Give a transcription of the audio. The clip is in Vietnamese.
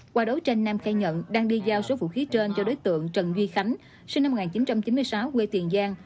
qua đấu tranh nam khai nhận đang đi giao số vũ khí trên cho đối tượng trần duy khánh sinh năm một nghìn chín trăm chín mươi sáu quê tiền giang